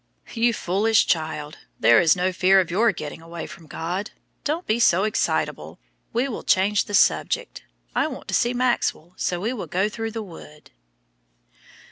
"You foolish child, there is no fear of your getting away from God. Don't be so excitable. We will change the subject. I want to see Maxwell, so we will go through the wood."